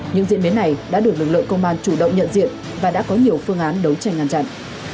những diễn biến này đã được lực lượng công an chủ động nhận diện và đã có nhiều phương án đấu tranh ngăn chặn